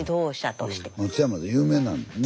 松山で有名なんやろうね。